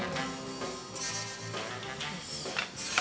よし。